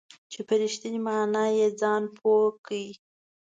چې په رښتینې معنا یې ځان پوه کړو .